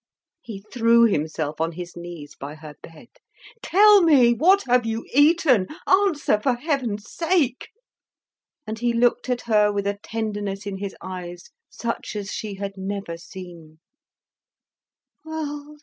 He threw himself on his knees by her bed. "Tell me! what have you eaten? Answer, for heaven's sake!" And he looked at her with a tenderness in his eyes such as she had never seen.